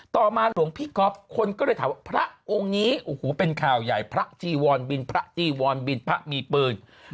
ต่อมาหลวงพี่ก๊อฟคนก็เลยถามว่าพระองค์นี้โอ้โหเป็นข่าวใหญ่พระจีวรบินพระจีวรบินพระมีปืน